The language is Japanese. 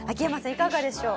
いかがでしょう？